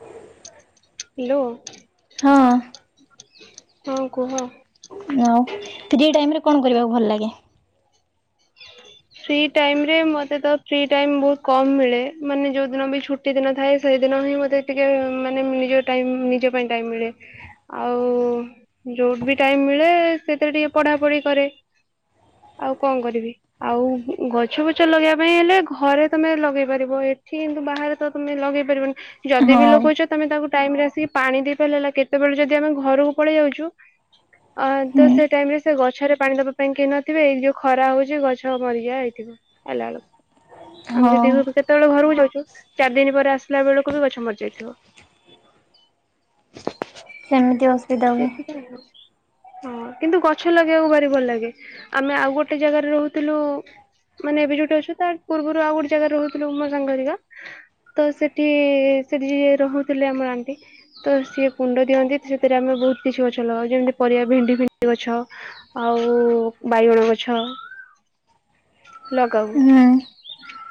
ହଁ ହାଲୋ, ହଁ କୁହ। ଆଉ ଫ୍ରି ଟାଇମ୍ ରେ କଣ କରିବାକୁ ଭଲ୍ ଲାଗେ? ଫ୍ରି ଟାଇମ୍ ରେ ମତେ ତ ଫ୍ରି ଟାଇମ୍ ବହୁତ୍ କମ୍ ମିଳେ, ମାନେ ଯୋଉ ଦିନ ବି ଛୁ ଟି ଦିନ ଥାଏ, ସେଇଦିନ ହିଁ ମତେ ଟିକେ ମାନେ ନିଜ ଟାଇମ୍ ନିଜ ପାଇଁ ଟାଇମ୍ ମିଳେ। ଆଉ ଯୋଉଠି ବି ଟାଇମ୍ ମିଳେ ସେଥିରେ ଟିକେ ପଢାପଢି କରେ। ଆଉ କଣ କରିବି। ଆଉ ଗଛ ଫଛ ଲଗେଇବା ପାଇଁ ହେଲେ ଘରେ ତମେ ଲଗେଇ ପାରିବ, ଏଠି କିନ୍ତୁ ବାହାରେ ତ ତମେ ଲଗେଇ ପାରିବନି, ହଁ। ଯଦି ବି ଲଗଉଚ ତମେ ତାକୁ ଟାଇମ୍ ରେ ଆସିକି ପାଣି ଦେଇ ପାରିଲେ ହେଲା, କେତେବେଳେ ଯଦି ଆମେ ଘରୁକୁ ପଳେଇ ଯାଉଚୁ ଅ ତ ହୁଁ ସେ ଟାଇମ୍ ରେ ସେ ଗଛରେ ପାଣି ଦବା ପାଇଁ କେହି ନଥିବେ, ଏଇ ଯୋଉ ଖରା ହଉଚି ଗଛ ମରିଯାଇଥିବ ଆଇଲା ବେଳୁକୁ, ଆମେ ହଁ। ଯଦି [unintelligible] କେ ଯେତବଳେ ଘରକୁ ଯାଉଚୁ, ଚାରି ଦିନ ପରେ ଆସିଲା ବେଳୁକୁ ବି ଗଛ ମରିଯାଇଥିବ। ସେମିତି ଅ [inaudible] ହଁ କିନ୍ତୁ ଗଛ ଲଗେଇବାକୁ ଭାରି ଭଲ୍ ଲାଗେ, ଆମେ ଆଉ ଗୋଟେ ଜାଗାରେ ରହୁଥିଲୁ। ମାନେ ଏବେ ଯୋଉଠି ଅଛୁ, ତା ପୂର୍ବୁରୁ ଆଉ ଗୋଟେ ଜାଗାରେ ରହୁଥିଲୁ ମୋ ସାଙ୍ଗ ହେରିକା। ତ ସେଠି-ସେଠି ଯିଏ ରହୁଥିଲେ ଆମର ଆଣ୍ଟି, ତ ସିଏ କୁଣ୍ଡ ଦିଅନ୍ତି ସେ ଥିରେ ଆମେ ବହୁତ୍ କିଛି ଗଛ ଲଗଉ, ଯେମିତି ପରିବା ଭେଣ୍ଡି ଫେଣ୍ଡି ଗଛ ଆଉ ବାଇଗଣ ଗଛ ଲଗାଉ। ହୁଁ।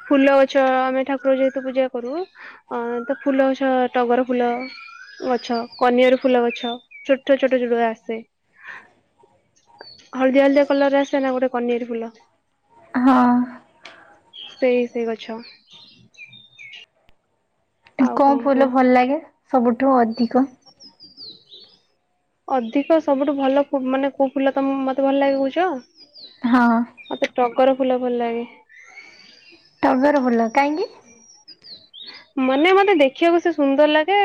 ଫୁଲ ଗଛ ଆମେ ଠାକୁର ଯେହେତୁ ପୂଜା କରୁ ଅ ତ ଫୁଲ ଗଛ ଟଗର ଫୁଲ ଗଛ, କନିଅର ଫୁଲ ଗଛ ଛୋଟ ଛୋଟ ଛୋଟ ଜୁଡୁଆ ଆସେ। ହଳଦିଆ ହଳଦିଆ କଲରରେ ଆସେ ନା ଗୋଟେ କନିଆରି ଫୁଲ। ହଁ। ସେଇ ସେଇ ଗଛ। ଆଉ କଣ ଫୁଲ କୁହ ଭଲ ଲାଗେ ସବୁଠୁ ଅଧିକ? ଅଧିକ ସବୁଠୁ ଭଲ ମାନେ କୋଉ ଫୁଲ ତମ ମତେ ଭଲ ଲାଗେ ହଁ କହୁଛ। ମତେ ଟଗର ଫୁଲ ଭଲ ଲାଗେ। ଟଗର ଭଲ କାହିଁକି? ମାନେ ମତେ ଦେଖିବାକୁ ସେ ସୁନ୍ଦର ଲାଗେ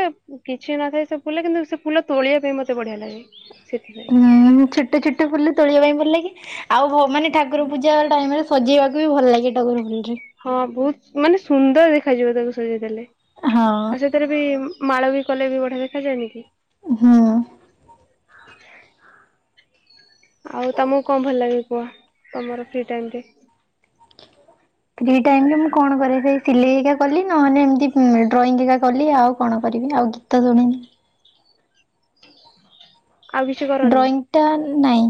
କିଛି ନଥାଏ ସେ ଫୁଲ କିନ୍ତୁ ସେ ଫୁଲ ତୋଳିବା ପାଇଁ ମତେ ବଢିଆ ଲାଗେ ସେଥିରେ ହୁଁ ଛୋଟ ଛୋଟ ବୋଲି ତୋଳିବା ପାଇଁ ଭଲଲାଗେ ଆଉ ଭ ମାନେ ଠାକୁର ପୂଜା ଟାଇମ ରେ ସଜେଇବାକୁ ବି ଭଲ ଲାଗେ ଟଗର ଫୁଲ ରେ। ହଁ ବହୁତ ମାନେ ସୁନ୍ଦର ଦେଖାଯିବ ତାକୁ ସଜେଇ ଦେଲେ। ହଁ। ଆଉ ସେଥିରେ ବି ମାଳ ବି କଲେ ବିଢିଆ ଦେଖାଯାଏନି କି? ହଁ। ଆଉ ତମକୁ କଣ ଭଲ ଲାଗେ କୁହ ତୁମର ଫ୍ରି ଟାଇମରେ। ଫ୍ରି ଟାଇମ ରେ ମୁଁ କଣ କରେ ସେଇ ସିଲେଇ ଏକା କଲି ନହେଲେ ଏମିତି ଡ୍ରଇଂ ଏକା କଲି ଆଉ କଣ କରିବି ଆଉ ଗୀତ ଶୁଣି ଆଉ କିଛି କରନି। ଏଟା ନାଇଁ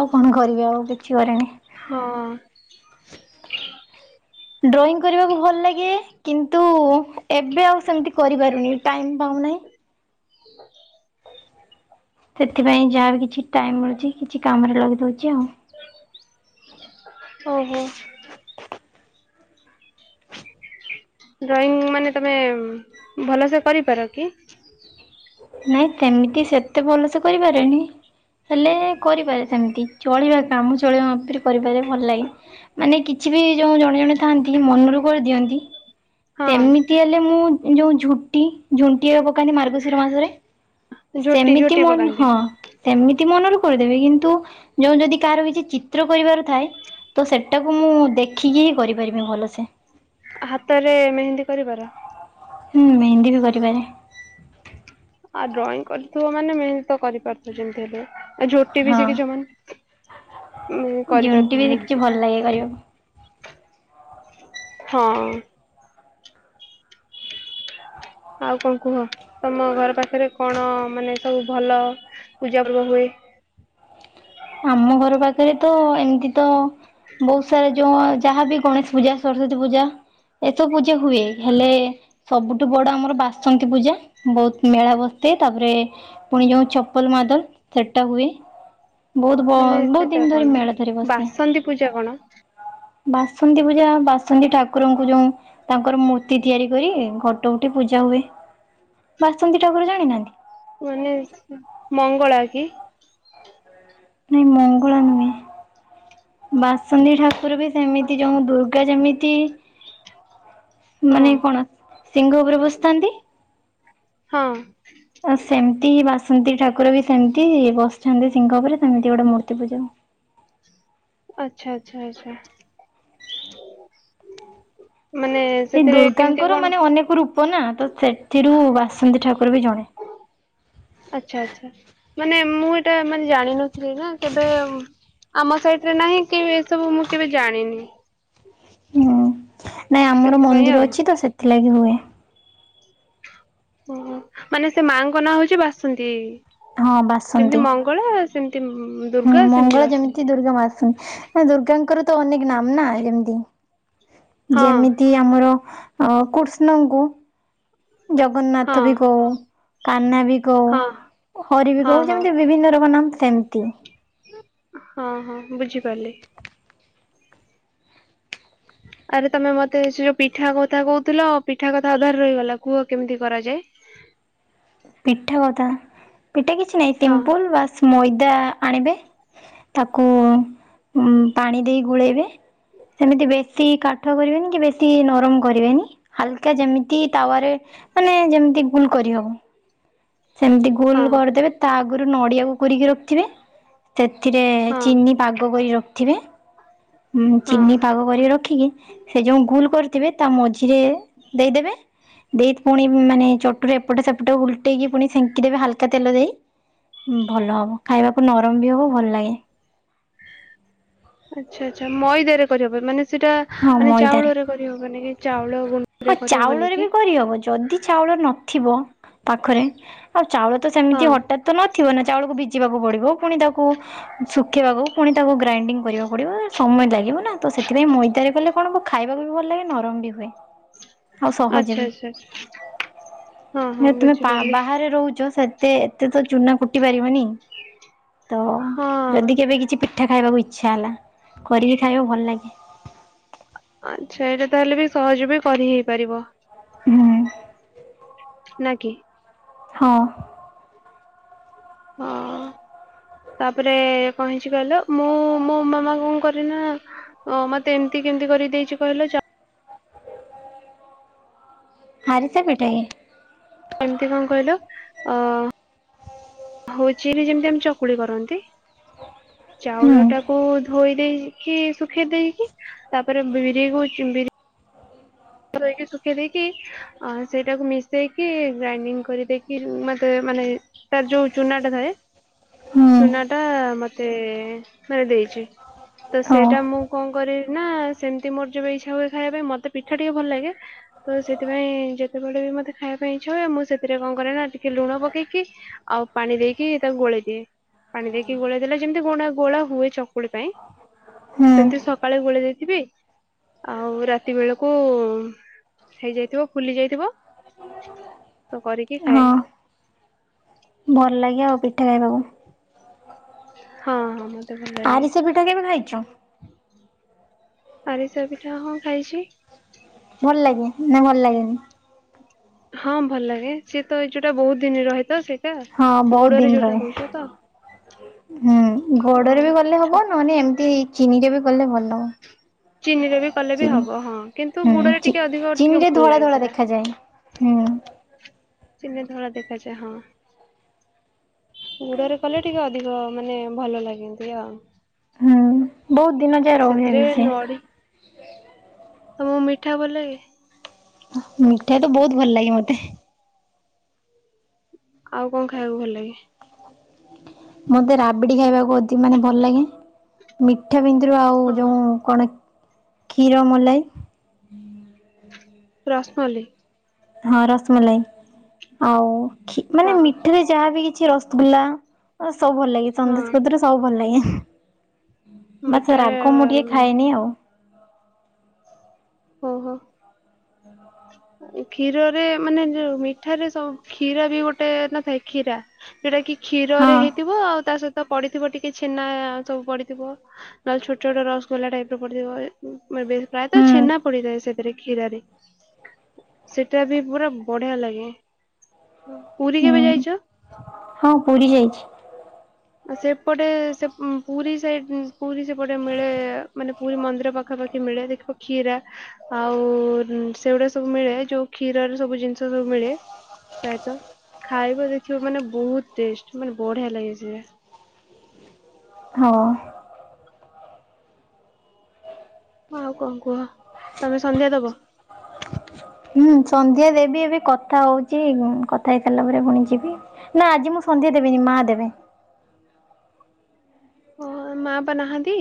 ଆଉ କଣ କରିବି ଆଉ କିଛି କରେନି। ହଁ। ଡ୍ରଇଂ କରିବାକୁ ଭଲ ଲାଗେ, କିନ୍ତୁ ଏବେ ଆଉ ସେମିତି କରିପାରୁନି ଟାଇମ୍ ପାଉନାହିଁ। ସେଥିପାଇଁ ଯାହା ବି କିଛି ଟାଇମ୍ ମିଳୁଛି କିଛି କାମରେ ଲଗେ଼ଇ ଦେଉଛି ଆଉ। ଓହୋ। ଡ୍ରଇଂ ମାନେ ତମେ ଭଲ ସେ କରିପାର କି? ନାଇଁ ସେମିତି ସେତେ ଭଲ ସେ କରିପାରେନି। ହେଲେ କରିପାରେ ସେମିତି ଚଳିବା କାମ ଚଳିବା ମାପରେ କରିପାରେ ଭଲ ଲାଗେ। ମାନେ କିଛି ବି ଯୋଉ ଜଣେ ଜଣେ ଥାଆନ୍ତି ମନରୁ କରିଦିଅନ୍ତି ହଁ ସେମିତି ହେଲେ ମୁଁ ଯୋଉ ଝୁଟି ଝୁଣ୍ଟି ଏ ପକାନ୍ତି ମାର୍ଗଶିର ମାସରେ। ଝୋଟି ସେମିତି ଝୋଟି ମୋ ପକାନ୍ତି ନୁହଁ। ସେମିତି ମନରୁ କରିଦେବି କିନ୍ତୁ ଯୋଉ ଯଦି କାହାର କିଛି ଚିତ୍ର କରିବାର ଥାଏ ତ ସେଟାକୁ ମୁଁ ଦେଖିକି ହିଁ କରିପାରିବି ଭଲସେ। ହାତରେ ମେହେନ୍ଦୀ କରିପାର। ହୁଁ ମେହେନ୍ଦୀ ବି କରିପାରେ। ଆଉ ଡ୍ରଇଂ କରିଥିବ ମାନେ ମେହନତ କରିପାରୁଥିବ ଯେମିତି ହେଲେ। ଆ ଝୋଟି ବି ସେ ହଁ କିିଛି ମ ଝୁଣ୍ଟି ବି କରିପାରେ। କିଛି ଭଲ ଲାଗେ କରିବାକୁ। ହଁ। ଆଉ କଣ କୁହ ତମ ଘର ପାଖରେ କଣ ମାନେ ସବୁ ଭଲ ପୂଜା ପର୍ବ ହୁଏ। ଆମ ଘର ପାଖରେ ତ ଏମିତି ତ ବହୁତ ସାରା ଯୋଉ ଯାହାବି ଗଣେଶ ପୂଜା ସରସ୍ଵତୀ ପୂଜା ଏସବୁ ପୂଜା ହୁଏ ହେଲେ ସବୁଠୁ ବଡ ଆମର ବାସନ୍ତୀ ପୂଜା ବହୁତ ମେଳା ବସିଥାଏ ତାପରେ ପୁଣି ଯେଉଁ ଛପଲ ମାଦଲ, ସେଟା ହୁଏ। ବହୁତ ବ ମାନେ ବହୁତ ସେଟା ଦିନ ଧରି କଣ ମେଳା ଧରି ବାସନ୍ତୀ ପୂଜା କଣ ବସିଥାଏ। ବାସନ୍ତୀ ପୂଜା ବାସନ୍ତିୀ ଠାକୁରଙ୍କୁ ଯୋଉ ତାଙ୍କର ମୂର୍ତ୍ତି ତିଆରି କରି ଘ ଯୋଉଠି ପୂଜା ହୁଏ, ବାସନ୍ତୀ ଠାକୁର ଜାଣିନାହାନ୍ତି। ମାନେ, ମଙ୍ଗଳା କି? ନାଇଁ ମଙ୍ଗଳା ନୁହେଁ। ବାସନ୍ତୀ ଠାକୁର ବି ସେମିତି ଯଉ ଦୁର୍ଗା ଯେମିତି ହଁ ମାନେ କଣ ସିଂହ ଉପରେ ବସିଥାନ୍ତି। ହଁ। ଆଉ ସେମିତି ବାସନ୍ତି ଠାକୁର ବି ସେମିତି ବସିଚନ୍ତି ସିଂହ ଉପରେ ସେମିତି ଗୋଟେ ମୂର୍ତ୍ତି ପୂଜା ଆଚ୍ଛା- ଅଚ୍ଛା -ଆଚ୍ଛା। ମାନେ ଏଇ ସେଥିରେ କେମିତି ଦୁର୍ଗାଙ୍କର କଣ ମାନେ ଅନେକ ରୂପ ନା ତ ସେଥିରୁ ବାସନ୍ତୀ ଠାକୁର ବି ଜଣେ। ଆଚ୍ଛା- ଆଚ୍ଛା ମାନେ ମୁଁ ଏଟା ମାନେ ଜାଣିନ ଥିଲିନା କେବେ ଆମ ସାଇଡ୍ ରେ ନାହିଁ କି ଏସବୁ ମୁଁ କେବେ ଜାଣିନି। ହୁଁ - ନାଇଁ ଆମର ସେଥିପାଇଁ ମନ୍ଦିର ଆଉ ଅଛି ତ ସେଥିଲାଗି ହୁଏ। ଓହୋ ମାନେ ସେ ମାଙ୍କ ନାଁ ହଉଚି ବାସନ୍ତି ହଁ ବାସନ୍ତୀ। ଯେମିତି ମଙ୍ଗ ଗଳା ସେମିତି ହୁଁ ଦୁର୍ଗା ସେମିତି ମଙ୍ଗଳା ବାସନ୍ତୀ ଯେମିତି ଦୁର୍ଗା ମା ଆସୁ [unintelligible] ଦୁର୍ଗାଙ୍କର ତ ଅନେକ ନାମ୍ ନା ଯେମିତି ହଁ ଯେମିତି ଆମର ଅ- କୃଷ୍ଣଙ୍କୁ ହଁ ଜଗନ୍ନାଥ ବି କହୁ କାହ୍ନା ବି କହୁ ହଁ ହରି ବି ହଁ କହୁଚନ୍ତି ଯେମିତି ବିଭିନ୍ନ ରୋଗ ର୍ ନାମ୍ ସେମିତି। ହଁ-ହଁ ବୁଝିପାରିଲି। [inaudible] ଆରେ ତମେ ମତେ ସେ ଯଉ ପିଠା କଥା କହୁଥିଲ ପିଠା କଥା ଅଧାରେ ରହିଗଲା କୁହ କେମିତି କରାଯାଏ? ପିଠା କଥା ପିଠା କିଛି ନାହିଁ ହଁ ଟିମ୍ପୁଲ୍ ବାସ୍ ମଇଦା ଆଣିବେ ତାକୁ ଉଁ- ପାଣି ଦେଇ ଗୋଳେଇବେ ସେମିତି ବେଶି କାଠ କରିବେନି କି ବେଶି ନରମ୍ କରିବେନି ହାଲ୍କା ଯେମିତି ତାୱାରେ ମାନେ ଯେମିତି ଗୁଲ୍ କରିହବ। ସେମିତି ଗୁଲ୍ ହଁ କରିଦେବେ ତା ଆଗରୁ ନଡିଆକୁ କୁରିକି ରଖିଥିବେ। ସେଥିରେ ହଁ ଚିନି ପାଗ କରି ରଖିଥିବେ। ହଁ ହୁଁ-ଚିନି ପାଗ କରିକି ରଖିକି ସେ ଯଉ ଗୁଲ୍ କରି ଥିବେ ତା ମଝିରେ ଦେଇ ଦେବେ ଦେଇ ପୁଣି ମାନେ ଚଟୁରେ ଏପଟ ସେପଟ ଉଲ୍ ଟେଇକି ପୁଣି ସେଙ୍କି ଦେବେ ହାଲ୍କା ତେଲ ଦେଇ ହୁଁ ଭଲ ହବ ଖାଇବାକୁ ନରମ୍ ବି ହବ ଭଲ୍ ଲାଗେ। ଆଚ୍ଛା-ଆଚ୍ଛା ମଇଦାରେ କରିହବ ମାନେ ସେଟା ହଁ ମାନେ ଚାଉଳରେ କରିହବନି କି? ଚାଉଳ ଗୁଣ୍ ହଁ-ଚାଉଳରେ ବି କରିହବ ଯଦି ଚାଉଳ ନଥିବ ପାଖରେ ଅ -ଚାଉଳ ତ ହଁ ସେମିତି ହଟାତ୍ ତ ନଥିବ ନା ଚାଉଳକୁ ଭିଜିବାକୁ ପଡିବ ପୁଣି ତାକୁ ସୁକେଇବାକୁ ପୁଣି ତାକୁ ଗ୍ରାଇଣ୍ଡିଙ୍ଗ୍ କରିବାକୁ ପଡିବ ସମୟ ଲାଗିବ ନା ତ ସେଥିପାଇଁ ମଇ ତିଆରି କଲେ କଣ ଖାଇବାକୁ ବି ଭଲ ଲାଗେ ନରମ୍ ବି ହୁଏ। ଆଉ ସହଜ ଆଚ୍ଛା ବି ଆଚ୍ଛା ଆଚ୍ଛା ହଁ ହଁ ହେତିପାଇଁ ପା- ବୁଝିପାରିଲି ବାହାରେ ରହୁଚ ସେ ଏତେ- ଏତେ ତ ଚୁନା କୁଟି ପାରିବନି ତ ହଁ। ଯଦି କେବେ କିଛି ପି ଠା ଖାଇବାକୁ ଇଚ୍ଛା ହେଲା କରିକି ଖାଇବାକୁ ଭଲ ଲାଗେ। ଆ-ଆଚ୍ଛା ଏଇଟା ତାହେଲେ ବି ସହଜ ବି କରି ହେଇ ପାରିବ। ହୁଁ। ନା- କିି? ହଁ। ଅଁ। ତାପରେ କଣ ହେଇଚି କହିଲ ମୁଁ ମୋ ମାମା କଣ କରେନା ଓ ମତେ ଏମିତି କେମିତି କରିଦେଇଚି କହିଲ ଚା ଆରିସା ପିଠା ଇଏ। ଏମିତି କଣ୍ କହିଲ ଅ- ହଉଚି ରେ ଯେମିତି ଆମ ଚକୁଳି କରନ୍ତି ହୁଁ ଚାଉଳ ଟା କୁ ଧୋଇ ଦେଇକି ଶୁଖେଇ ଦେଇକି ତାପରେ ବିରି କୁ ଚୁ-ବିରି [unintelligible] ସୁକେଇ ଦେଇ କି ଅଁ -ସେଇଟାକୁ ମିଶେଇକି ଗ୍ରାଇଣ୍ଡିଙ୍ଗ୍ କରିଦେଇକି ମତେ ମାନେ ତାର ଯୋଉ ଚୁନାଟା ଥାଏ। ହୁଁ ଚୁନାଟା ମତେ ମାନେ ଦେଇଛି ତ ହଁ ସେଇଟା ମୁଁ କଣ କରିବି ନା ସେମିତି ମୋର ଯେବେ ଇଚ୍ଛା ହୁଏ ଖାଇବା ପାଇଁ ମତେ ପିଠା ଟିକେ ଭଲ ଲାଗେ। ତ ସେଥିପାଇଁ ଯେତେବେଳେ ବି ମୋତେ ଖାଇବା ପାଇଁ ଇଚ୍ଛା ହୁଏ ମୁଁ ସେଥିରେ କଣ କରେ ନା ଟିକେ ଲୁଣ ପକେଇକି। ଆଉ ପାଣି ଦେଇକି ତାଙ୍କୁ ଗୋଳେଇ ଦିଏ। ପାଣି ଦେଇକି ଗୋଳେଇ ଦେଲେ ଯେମିତି ଗୋ ଗୋଳା ହୁଏ ଚକୁଳି ପାଇଁ। ହୁଁ। ସେମିତି ସକାଳୁ ଗୋଳେଇ ଦେଇଥିବେ ଆଉ ରାତି ବେଳକୁ କୁ ହେଇଯାଇଥିବ ଫୁଲି ଯାଇଥିବ ତ କରିକି ଖାଏ। ହଁ ଭଲ ଲାଗେ ଆଉ ପିଠା ଖାଇବାକୁ। ହଁ ହଁ ମ ଆରିସା ପିଠା କେବେ ଖାଇଛ? ଆରିସା ପିଠା ହଁ ଖାଇଛି। ଭଲ ଲାଗେ ନା ଭଲ ଲାଗେନି? ହଁ ଭଲ ଲାଗେ ସିଏ ତ ଏ ଯୋଉଟା ବହୁତ ଦିନ ରହେ ତ ସେଠ ହଁ ବହୁତ ଦିନ ରହେ। ହୁଁ ଗୋଡରେ ବି ଗଲେ ହଁ। ହବ ନହେଲେ ଏମିତି ଚିନିରେ ବି ଗଲେ ଭଲ ଚିନିରେ ବି କଲେ ବି ଚିନି ହବ ହଁ କିନ୍ତୁ ହୁଁ ଗୁଡରେ ଚି ଟିକେ ଅଧିକ ଟିକେ ଚିନିରେ ଭଲ ଧଳା ଲାଗେ ଧଳା ସେଟା। ଦେଖାଯାଏ। ହୁଁ। ଚିନି ଧଳା ଦେଖାଯାଏ ହଁ। ଗୁଡରେ କଲେ ଟିକେ ଅଧିକ ମାନେ ଭଲ ଲାଗନ୍ତି ଆଉ ହୁଁ ବହୁତ ଦିନ ଯାଏ ରହେ ସେଥିରେ ବି ସେ ତ ମିଠା ଭଲ ଲାଗେ। ମିଠା ତ ବହୁତ ଭଲ ଲାଗେ ମତେ। ଆଉ କଣ ଖାଇବାକୁ ଭଲ ଲାଗେ? ମତେ ରାବିଡ଼ି ଖାଇବାକୁ ଅଧିକ ମାନେ ଭଲ ଲାଗେ। ମିଠା ଭିତରୁ ଆଉ ହଁ ଯୋଉ କଣ କ୍ଷୀରମଲାଇ। ରସମଲାଇ। ହଁ ରସମଲାଇ ଆଉ ମାନେ ଖୀ ହଁ ମିଠାରେ ଯାହାବି କିଛି ରସଗୋଲ୍ଲା ସବୁ ଭଲ ଲାଗେ ହଁ ସନ୍ଦେଶ ଗଦରେ ସବୁ ଭଲ ଲାଗେ। ବାସ ମିଠା ରାଗ ମୁଁ ଟିକେ ଖାଏନି ଆଉ ଓ ହୋ। କ୍ଷୀରରେ ମାନେ ଯୋଉ ମିଠାରେ ସବୁ କ୍ଷୀରା ବି ଗୋଟେ ନଥାଏ କ୍ଷୀରା। ଯୋଉଟା କି କ୍ଷୀରରେ ହଁ ହେଇଥିବ ଆଉ ତା ସହି ତ ପଡିଥିବ ଟିକେ ଛେନା ସବୁ ପଡିଥିବ ନହେଲେ ଛୋଟ ଛୋଟ ରସଗୋଲା ଟାଇପର ପଡିଥିବ। ପ୍ରାୟତଃ ହୁଁ ଛେନା ପଡିଥାଏ ସେଥିରେ କ୍ଷୀରାରେ। ସେଟା ବି ପୁରା ବଢିଆ ଲାଗେ ପୁରୀ କେବେ ହୁଁ ଯାଇଛ? ହଁ ପୁରୀ ଯାଇଛି। ସେପଟେ ସେ ପୁରୀ ସେ ପୁରୀ ସେପଟେ ମିଳେ ମାନେ ପୁରୀ ମନ୍ଦିର ପାଖାପାଖି ମିଳେ ଦେଖିବ କ୍ଷୀରା। ଆଉ ସେଗୁଡା ସବୁ ମିଳେ ଯୋଉ କ୍ଷୀରର ସବୁ ଜିନିଷ ସବୁ ମିଳେ। ପ୍ରାୟତଃ ଖାଇବା ଦେଖିବ ମାନେ ବହୁତ ଟେଷ୍ଟ ମାନେ ବଢିଆ ଲାଗେ ସେ ହଁ। ହଁ ଆଉ କଣ କୁହ ତମେ ସନ୍ଧ୍ୟା ଦବ? ହୁଁ ସନ୍ଧ୍ୟା ଦେବି ଏବେ କଥା ହଉଚି କଥା ହେଇ ସାରିଲା ପରେ ପୁଣି ଯିବି। ନା ଆଜି ମୁଁ ସନ୍ଧ୍ୟା ଦେବିନି ମା ଦେବେ। ଓ ମା ପା ନାହାନ୍ତି।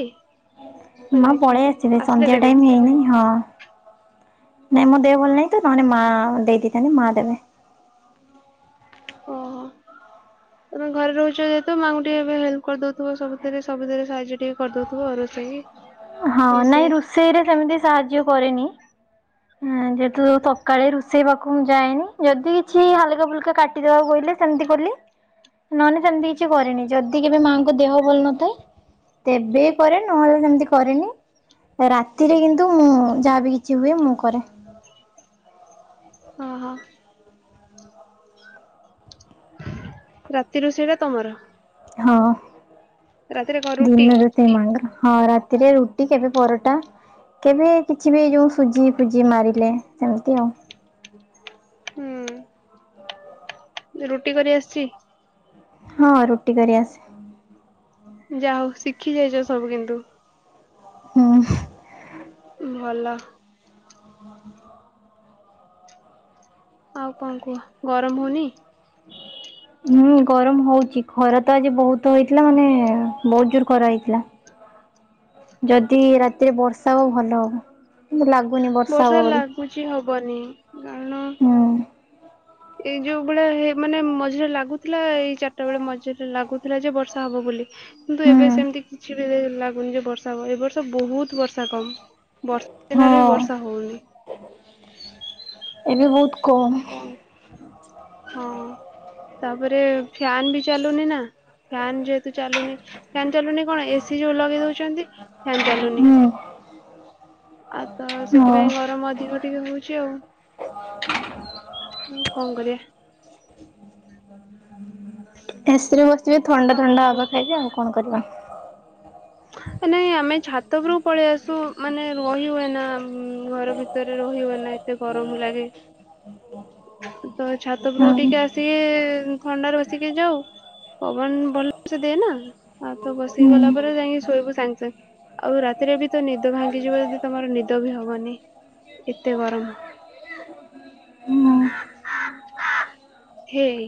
ତ ମା ପଳେଇ ଯାଇଛନ୍ତି ଆସିବେ ଆସିଲେ ସନ୍ଧ୍ୟା ଦେବେ। ଟାଇମ ହେଇନି ହଁ ନାଇଁ ଓହୋ ମୋ ଦେହ ଭଲ ନାଇଁ। ଜଣେ ମା ଦେଇଦେଇଥାନ୍ତେ ମା ଦେବେ। ଓହୋ। ତମେ ଘରେ ରହୁଛ ଯେହେତୁ ମାଙ୍କୁ ଟିକେ ଏବେ ହେଲ୍ପ କରିଦଉଥିବ ସବୁଥିରେ ସବୁଥିରେ ସାହାଯ୍ୟ ଟିକେ କରିଦଉଥିବ ଅ ରୋଷେଇ। ଇଏ ହଁ ନାଇଁ ସିଏ ରୋଷେଇରେ ସେମିତି ସାହାଯ୍ୟ କରେନି। ଅଁ ଯେହେତୁ ସକାଳେ ରୁଷେଇ ପାଖକୁ ମୁଁ ଯାଏନି ଯଦି କିଛି ହାଲକା ଫୁଲକା କାଟିଦବାକୁ କହିଲେ ସେମତି କଲି ନହେଲେ ସେମତି କିଛି କରେନି ଯଦି କେବେ ମାଆଙ୍କ ଦେହ ଭଲ ନଥାଏ ତେବେ କରେ ନହେଲେ ସେମତି କରେନି। ରାତିରେ କିନ୍ତୁ ମୁଁ ଯାହା ବିି କିଛି ହୁଏ ମୁଁ କରେ। ଅହ। ରାତି ରୋଷେଇଟା ତମର। ହଁ ରାତିରେ କଣ ରୁଟି ଦିନ ରାତି ମାଆଙ୍କର ହଁ ରାତିରେ ରୁଟି କେବେ ପରଟା କେବେ କିଛି ବି ଏଇ ଯୋଉ ସୁଜି ସୁଜି ମାରିଲେ ସେମତି ଆଉ। ହୁଁ ରୁଟି କରି ଆସିଚି? ହଁ ରୁଟି କରି ଆସେ। ଯାହୋଉ ଶିଖିଯାଇଚ ସବୁ କିନ୍ତୁ। ହୁଁ। ଭଲ। ଆଉ କଣ କୁହ ଗରମ ହୋଉନି। ହୁଁ ଗରମ ହୋଉଚି ଖରା ତ ଆଜି ବୋହୁତ ହେଇଥିଲା ମାନେ ବୋହୁତ ଜୋରେ ଖରା ହେଇଥିଲା ଯଦି ରାତିରେ ବର୍ଷା ହୁଏ ଭଲ ହବ କିନ୍ତୁ ଲାଗୁ ବର୍ଷା ଲାଗୁଚି ହବନି କାରଣ ହୁଁ ଏଇ ଯୋଉ ଭଳିଆ ହେ ମାନେ ମଝିରେ ଲାଗୁଥିଲା ଏଇ ଚାରଟା ବେଳେ ମଝିରେ ଲାଗୁଥିଲା ଯେ ବର୍ଷା ହବ ବୋଲି। କିନ୍ତୁ ଏବେ ହୁଁ ସେମତି କିଛି ବି ଦେ ଲାଗୁନି ଯେ ବର୍ଷା ହବ ଏ ବର୍ଷ ବୋହୁତ ବର୍ଷା କମ ବର୍ଷା ଦିନରେ ହଁ। ବର୍ଷ୍ ଏବେ ବୋହୁତ କମ୍। ଅଁ ହଁ। ତାପରେ ଫ୍ୟାନ ବି ଚାଲୁନି ନା ଫ୍ୟାନ୍ ଯେହେତୁ ଚାଲୁନି ଫ୍ୟାନ ଚାଲୁନି କଣ ଏସିି ଯୋଉ ଲଗେଇ ଦୋଉଚନ୍ତି ଫ୍ୟାନ ଚାଲୁନି। ହୁଁ ଆଉ ତ ହଁ। ସେଥିପାଇଁ ଗରମ ଅଧିକ ଟିକେ ହୋଉଚି ଆଉ। ହୁଁ କଣ କରିବା। ଏ ସିରେ ବସିବେ ଥଣ୍ଡା ଆଉ କଣ ଥଣ୍ଡା କୁହ ହବା ଖାଇବି ଆଉ କଣ କରିବା। ନାଇଁ ଆମେ ଛାତ ଉପରକୁ ପଳେଇ ଆସୁ ମାନେ ରହି ହୁଏନା ଉଁ ଘର ଭିତରେ ରହି ହୁଏନା ଏତେ ଗରମ ଲାଗେ। ତ ଛାତ ହଁ ଉପରକୁ ଟିକେ ଆସିକି ଥଣ୍ଡାରେ ବସି କି ଯାଉ ପବନ ଭଲସେ ଦିଏନା ଆଉ ତ ହୁଁ ବସିକି ଗଲା ପରେ ଯାଇଁକି ସବୁ ସାଙ୍ଗେ ସାଙ୍ଗେ ଆଉ ରାତିରେ ବି ତ ନିଦ ଭାଙ୍ଗିଯିବ ଯଦି ତମର ନିଦ ବି ହବନି। ଏତେ ଗରମ। ଉଁ। ହେଇ